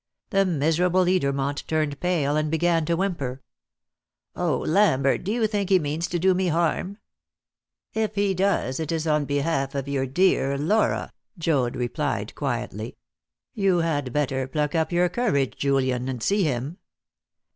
The miserable Edermont turned pale, and began to whimper. "Oh, Lambert, do you think he means to do me harm?" "If he does, it is on behalf of your dear Laura," replied Joad quietly; "you had better pluck up your courage, Julian, and see him."